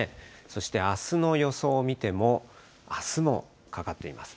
そしてあすの予想を見ても、あすもかかっています。